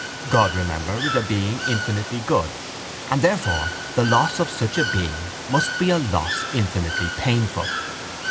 God, remember, is a being infinitely good, and therefore the loss of such a being must be a loss infinitely painful.